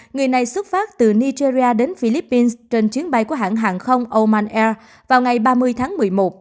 người này xuất phát từ nigeria đến philippines trên chuyến bay của hãng hàng không oman air vào ngày ba mươi tháng một mươi một